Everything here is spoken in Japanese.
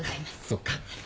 そっか。